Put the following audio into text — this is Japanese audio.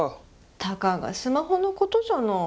たかがスマホのことじゃない。